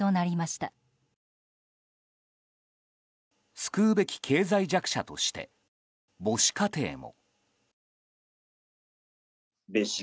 救うべき経済弱者として母子家庭も。